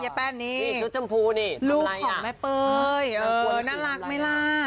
เย้แป้นนี่ลูกของแม่เป้ยน่ารักไหมล่ะ